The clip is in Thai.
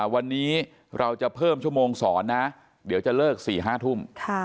วันนี้เราจะเพิ่มชั่วโมงสอนนะเดี๋ยวจะเลิก๔๕ทุ่ม